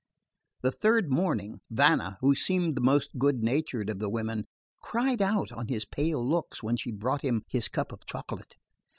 The third morning, Vanna, who seemed the most good natured of the women, cried out on his pale looks when she brought him his cup of chocolate.